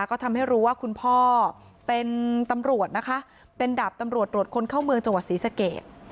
ก็ทำให้รู้ว่าคุณพ่อเป็นตำรวจนะคะเป็นดาบตำรวจตรวจคนเข้าเมืองจังหวัดศรีสเกต